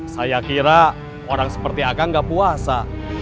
saya kira orang seperti aga gak puasa